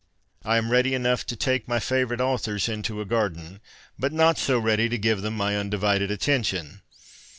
I am ready enough to take my favourite authors into a garden, but not so ready to give them my undivided attention.